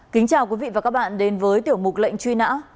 kính chào quý vị và các bạn đến với tiểu mục lệnh truy nã